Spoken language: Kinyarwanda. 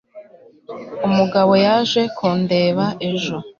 umugabo yaje kundeba ejo